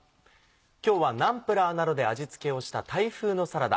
今日はナンプラーなどで味付けをしたタイ風のサラダ